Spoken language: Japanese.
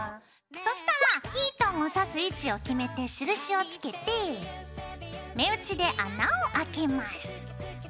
そしたらヒートンを刺す位置を決めて印をつけて目打ちで穴をあけます。